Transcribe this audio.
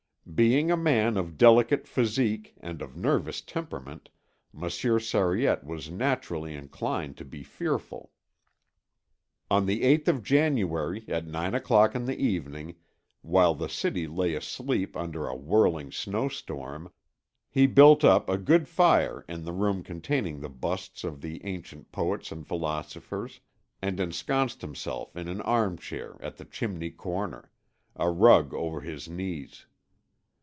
Being a man of delicate physique and of nervous temperament, Monsieur Sariette was naturally inclined to be fearful. On the 8th of January at nine o'clock in the evening, while the city lay asleep under a whirling snowstorm, he built up a good fire in the room containing the busts of the ancient poets and philosophers, and ensconced himself in an arm chair at the chimney corner, a rug over his knees.